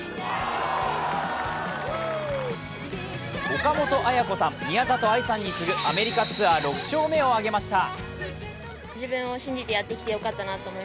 岡本綾子さん、宮里藍さんに次ぐアメリカツアー６勝目を挙げました